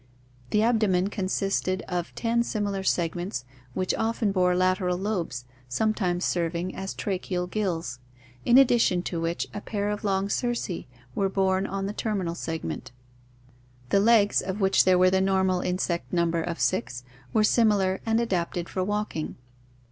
The abdomen consisted of ten similar segments which often bore lateral lobes, sometimes serving as tra cheal gills (see page 448), in addition to which a pair of long cerci were bome on the terminal segment (see Fig. 127). The legs, of which there were the normal insect number of six, were simi lar and adapted for walk ing.